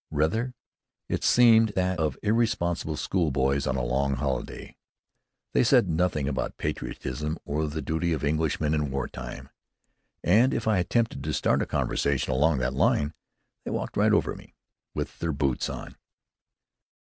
Rather, it seemed that of irresponsible schoolboys on a long holiday. They said nothing about patriotism or the duty of Englishmen in war time. And if I attempted to start a conversation along that line, they walked right over me with their boots on.